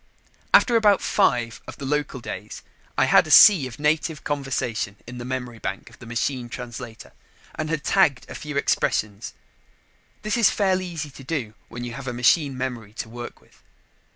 After about five of the local days, I had a sea of native conversation in the memory bank of the machine translator and had tagged a few expressions. This is fairly easy to do when you have a machine memory to work with.